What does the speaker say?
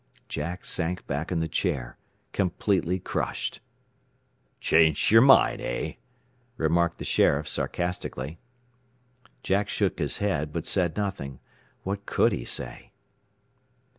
Jack sank back in the chair, completely crushed. "Changed your mind, eh?" remarked the sheriff sarcastically. Jack shook his head, but said nothing. What could he say!